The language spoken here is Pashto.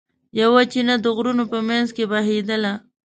یوه چینه د غرونو په منځ کې بهېدله.